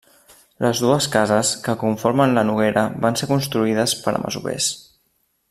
Les dues cases que conformen la Noguera van ser construïdes per a masovers.